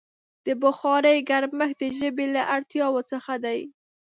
د بخارۍ ګرمښت د ژمي له اړتیاوو څخه دی.